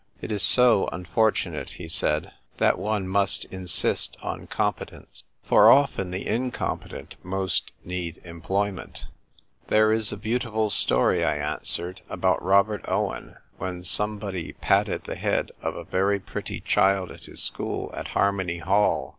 " It is so unfortunate," he said, " that one must insist on competence ! A SAIL ON THE HORIZON. 121 For often the incompetent most need em ployment." " There is a beautiful story," I answered, " about Robert Owen, when somebody patted the head of a very pretty child at his school at Harmony Hall.